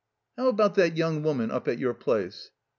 How about that young woman up at your place